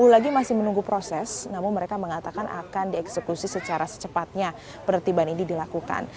sepuluh lagi masih menunggu proses namun mereka mengatakan akan dieksekusi secara secepatnya penertiban ini dilakukan